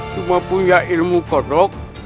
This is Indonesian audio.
cuma punya ilmu kotok